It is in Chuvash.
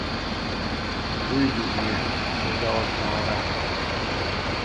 Туй кунне — ҫулталӑк маларах